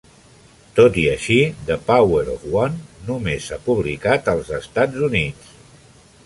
Tot i així, "The Power of One" només s'ha publicat als Estats Units.